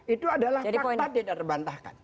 itu adalah fakta tidak terbantahkan